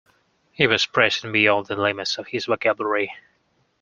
He was pressing beyond the limits of his vocabulary.